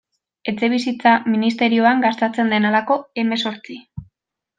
Etxebizitza ministerioan gastatzen den halako hemezortzi.